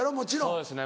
そうですね